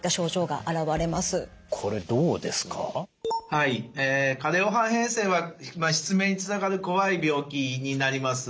はい加齢黄斑変性は失明につながるこわい病気になります。